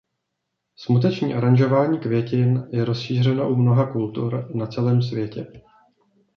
Smuteční aranžování květin je rozšířeno u mnoha kultur na celém světě.